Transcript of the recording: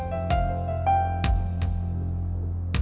tolong jaga ibu saya sebentar ya